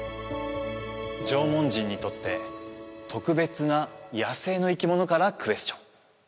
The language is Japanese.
縄文人にとって特別な野生の生き物からクエスチョン